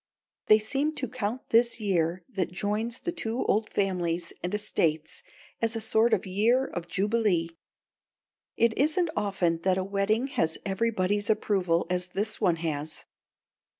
They seem to count this year that joins the two old families and estates as a sort of year of jubilee. It isn't often that a wedding has everybody's approval as this one has.